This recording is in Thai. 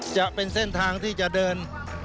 จะเป็นเส้นทางที่จะเดิน